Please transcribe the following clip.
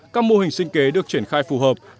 các mô hình sinh kế được triển khai phù hợp